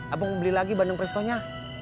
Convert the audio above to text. abang mau beli lagi bandeng prestonya